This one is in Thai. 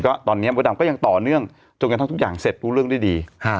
แล้วตอนนี้บุรณภาพก็ยังต่อเนื่องจนก็ทำทุกอย่างเริ่มรู้เรื่องได้ดี